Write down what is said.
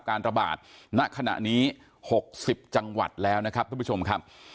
การระบาดณขณะนี้๖๐จังหวัดแล้วนะครับทุกผู้ชมครับ